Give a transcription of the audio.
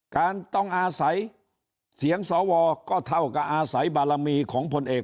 การต้องอาศัยเสียงสวก็เท่ากับอาศัยบารมีของผลเอก